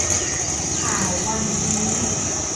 ข่าววันนี้